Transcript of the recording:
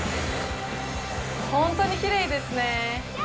本当にきれいですね。